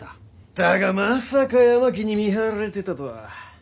だがまさか八巻に見張られてたとは。